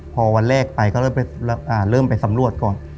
พอวันแรกไปก็เริ่มไปสำรวจก่อน